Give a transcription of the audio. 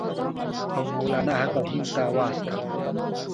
او مولنا هغه هند ته واستاوه.